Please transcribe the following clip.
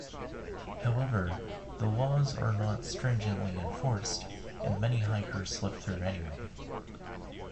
However, the laws are not stringently enforced, and many hikers slip through anyway.